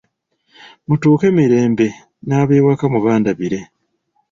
Mutuuke mirembe n’abewaka mubandabire.